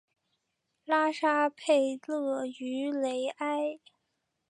拉沙佩勒于雷埃。